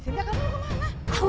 sinta kamu mau kemana